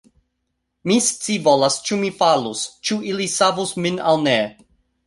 Mi scivolas ĉu mi falus, ĉu ili savus min aŭ ne